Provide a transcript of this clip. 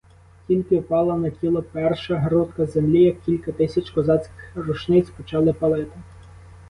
Тільки впала на тіло перша грудка землі, як кілька тисяч козацьких рушниць почали палити.